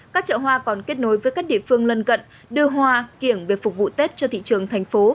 các chợ hoa còn kết nối với các địa phương lân cận đưa hoa kiểng về phục vụ tết cho thị trường thành phố